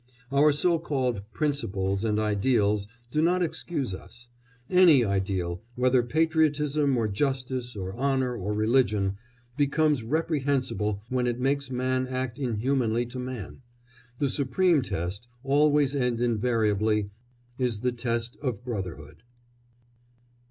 Our so called "principles" and "ideals" do not excuse us; any ideal, whether patriotism or justice or honour or religion, becomes reprehensible when it makes man act inhumanly to man; the supreme test, always and invariably, is the test of brotherhood.